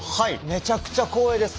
めちゃくちゃ光栄です。